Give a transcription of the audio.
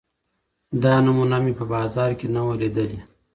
دا نمونه مي په بازار کي نه وه لیدلې.